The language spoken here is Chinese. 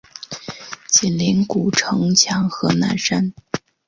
紧邻古城墙和南山。